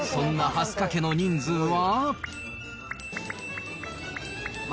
そんな蓮香家の人数は。